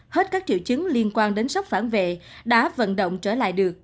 hết các triệu chứng liên quan đến sốc phản vệ đã vận động trở lại được